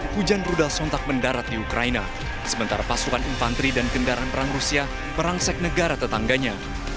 hujan rudal sontak mendarat di ukraina sementara pasukan infanteri dan kendaraan perang rusia merangsek negara tetangganya